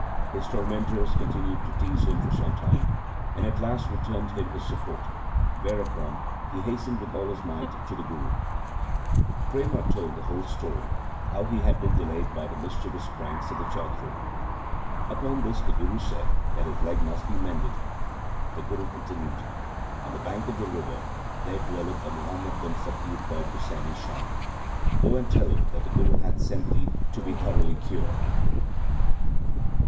His tormentors con tinued to tease him for some time, and at last re turned him his support, whereupon he hastened with all his might to the Guru. Prema told the whole story how he had been delayed by the mischievous pranks of the chaudhri. Upon this the Guru said 1 This is not the Talwandi where Guru Nanak was born, LIFE OF GURU AMAR DAS 137 that his leg must be mended. The Guru continued :' On the bank of the river there dwelleth a Muham madan faqir called Husaini Shah. Go and tell him that the Guru hath sent thee to be thoroughly cured.'